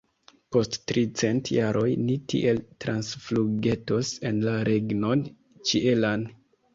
Post tricent jaroj ni tiel transflugetos en la regnon ĉielan!